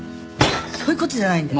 そういう事じゃないんだよ。